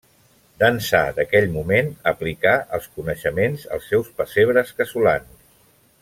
D'ençà d'aquell moment aplicà els coneixements als seus pessebres casolans.